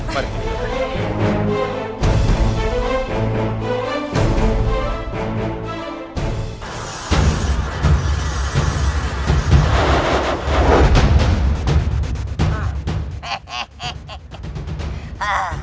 baik kak kanda